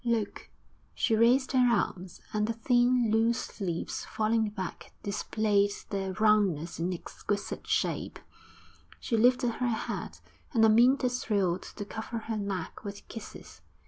'Look!' She raised her arms, and the thin, loose sleeves falling back displayed their roundness and exquisite shape; she lifted her head, and Amyntas thrilled to cover her neck with kisses.